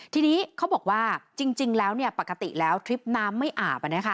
ทีนี้เขาบอกว่าจริงแล้วปกติแล้วทริปน้ำไม่อาบ